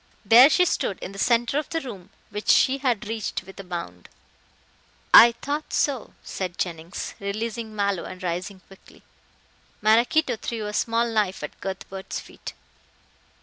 There she stood in the centre of the room which she had reached with a bound. "I thought so," said Jennings, releasing Mallow and rising quickly. Maraquito threw a small knife at Cuthbert's feet.